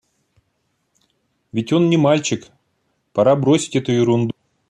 Ведь он не мальчик: пора бросить эту ерунду.